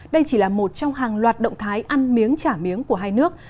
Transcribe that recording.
đây chỉ là một trong hàng loạt động thái ăn miếng trả miếng của hai nước